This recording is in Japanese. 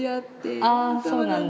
ああそうなんだ。